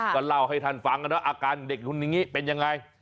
ก็เล่าให้ท่านฟังกันว่าอาการเด็กรุ่นนี้เป็นยังไง